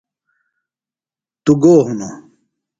توۡ گو ہِنوۡ ؟